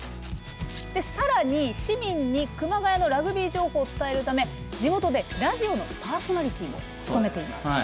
更に市民に熊谷のラグビー情報を伝えるため地元でラジオのパーソナリティーも務めています。